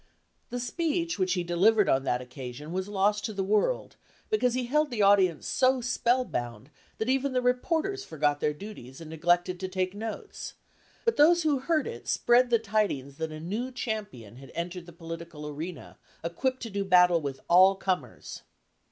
The speech which he delivered on that occasion was lost to the world because he held the audience so spell bound that even the reporters forgot their duties and neglected to take notes ; but those who heard it srjread the tidings that a new champion had entered the political arena equipped to do battle with all comers.